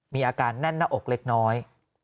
มีอาการแน่นหน้าอกเล็กน้อย